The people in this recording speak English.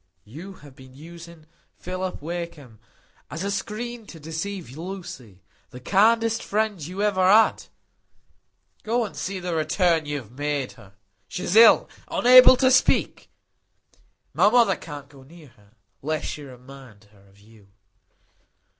You have been using Philip Wakem as a screen to deceive Lucy,—the kindest friend you ever had. Go and see the return you have made her. She's ill; unable to speak. My mother can't go near her, lest she should remind her of you."